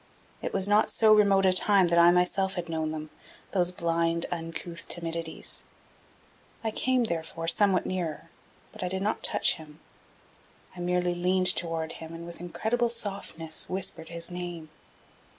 It was not so remote a time that I myself had known them, those blind, uncouth timidities. I came, therefore, somewhat nearer but I did not touch him. I merely leaned toward him and with incredible softness whispered his name.